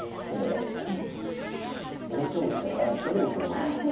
攻め将棋じゃない人でも攻めます。